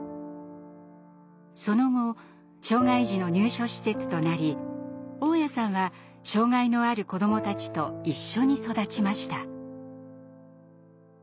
その後障害児の入所施設となり雄谷さんは障害のある子どもたちと一緒に育ちました。